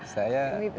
di atas beribu